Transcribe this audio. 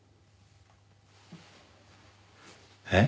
えっ？